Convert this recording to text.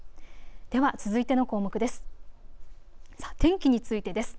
では続いての項目です。